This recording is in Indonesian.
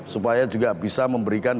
supaya juga bisa memberikan